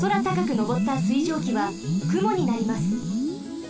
のぼった水蒸気はくもになります。